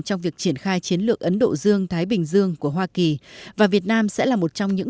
trong việc triển khai chiến lược ấn độ dương thái bình dương của hoa kỳ và việt nam sẽ là một trong những